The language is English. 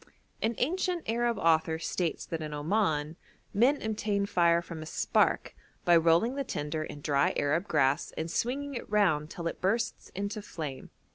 An ancient Arab author states that in Oman 'men obtain fire from a spark, by rolling the tinder in dry Arab grass and swinging it round till it bursts into flame.'